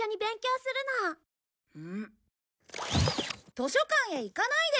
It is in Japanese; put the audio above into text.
図書館へ行かないで。